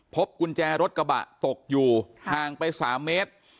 พบกุญแจรถกระบะตกอยู่ห่างไป๓เมตร